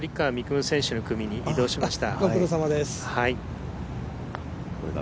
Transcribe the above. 夢選手の組に移動しました。